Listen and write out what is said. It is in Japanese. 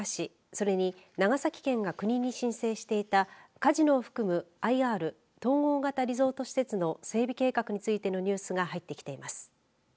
それに長崎県が国に申請していたカジノを含むＩＲ、統合型リゾート施設の整備計画についてのニュースが入ってきています。